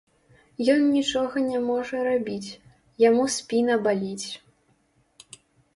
Ён нічога не можа рабіць, яму спіна баліць.